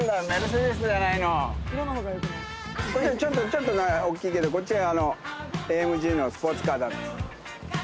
ちょっと大きいけどこっちがＡＭＧのスポーツカー。